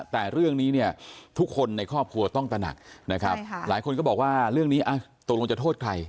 แต่เรื่องนี้เนี่ยทุกคนในครอบครัวต้องตระหนักนะครับหลายคนก็บอกว่าเรื่องนี้ตกลงจะโทษใคร